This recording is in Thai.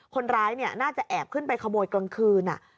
คนร้ายน่าจะแอบขึ้นไปขโมยกลางคืน